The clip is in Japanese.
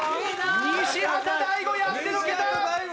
西畑大吾やってのけた！